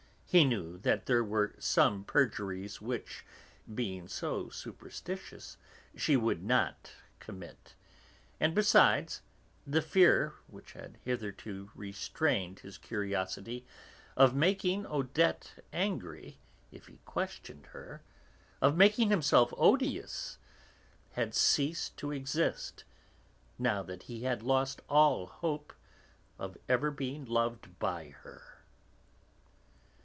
He knew that there were some perjuries which, being so superstitious, she would not commit, and besides, the fear, which had hitherto restrained his curiosity, of making Odette angry if he questioned her, of making himself odious, had ceased to exist now that he had lost all hope of ever being loved by her.